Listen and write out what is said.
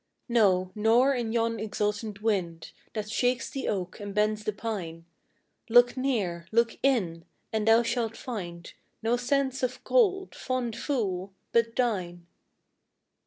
No, nor in yon exultant wind That shakes the oak and bends the pine. Look near, look in, and thou shalt find No sense of cold, fond fool, but thine